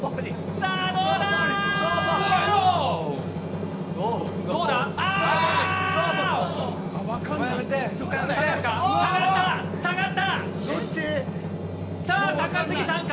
さあどうか？